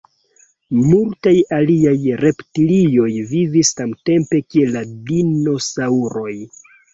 Multaj aliaj reptilioj vivis samtempe kiel la dinosaŭroj.